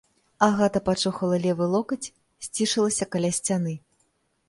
Агата пачухала левы локаць, сцішылася каля сцяны.